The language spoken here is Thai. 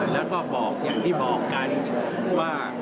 แล้วก็บอกอย่างที่บอกกันว่า